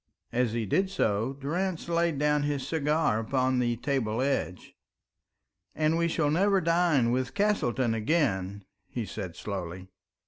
As he did so, Durrance laid down his cigar upon the table edge. "And we shall never dine with Castleton again," he said slowly.